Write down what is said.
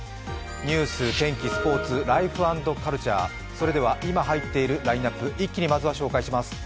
ニュース、天気、スポーツ、ライフ＆カルチャー、それでは今入っているラインナップ一気にまずは紹介します。